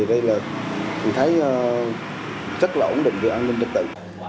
thì tôi thấy rất là ổn định về an ninh trật tự